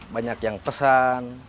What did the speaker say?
banyak yang pesan